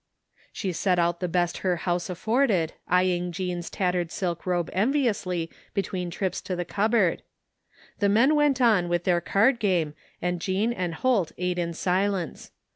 She set out the best her house afforded, eyeing Jean's tattered silk robe enviously between trips to the cupboard. The men went on with their card game and Jean and Holt ate in silence.